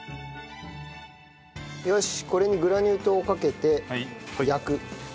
よしこれにグラニュー糖をかけて焼く。